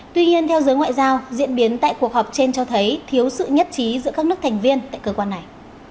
tuy nhiên theo giới ngoại giao diễn biến tại cuộc họp trên cho thấy thiếu sự nhất trí giữa các nước thành viên tại cơ quan này